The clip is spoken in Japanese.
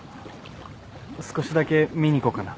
少しだけ見に行こうかな。